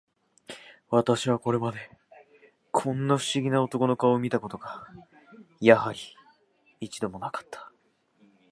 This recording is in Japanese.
私はこれまで、こんな不思議な男の顔を見た事が、やはり、一度も無かった